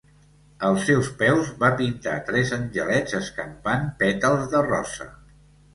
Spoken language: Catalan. Als seus peus, va pintar tres angelets escampant pètals de rosa.